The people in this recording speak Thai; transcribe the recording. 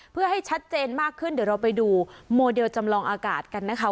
เพื่อให้ชัดเจนมากขึ้นเดี๋ยวเราไปดูโมเดลจำลองอากาศกันนะคะ